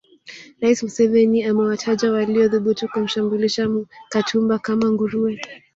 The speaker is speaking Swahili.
Rais Museveni amewataja waliothubutu kumshambulia Katumba kama nguruwe